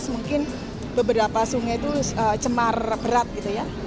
dua ribu lima belas mungkin beberapa sungai itu cemar berat gitu ya